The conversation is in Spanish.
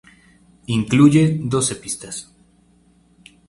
Incluye doce pistas.